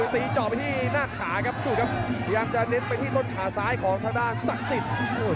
ตีจอไปที่หน้าขาครับพยายามจะเน็ตไปที่ต้นขาซ้ายของทางด้านศักดิ์ศิษฐ์